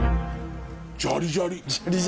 ジャリジャリ？